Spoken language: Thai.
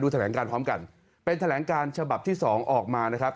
แถลงการพร้อมกันเป็นแถลงการฉบับที่สองออกมานะครับ